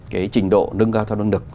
cái trình độ nâng cao cho năng lực